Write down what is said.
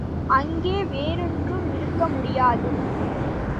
அங்கே வேறொன்றும் இருக்க முடியாது.